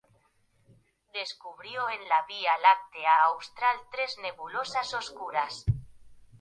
Descubrió en la Vía Láctea Austral tres nebulosas oscuras.